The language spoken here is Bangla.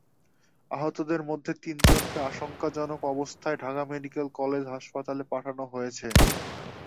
আহতদের মধ্যে তিনজনকে আশঙ্কজনক অবস্থায় ঢাকা মেডিকেল কলেজ হাসপাতালে পাঠানো হয়েছে।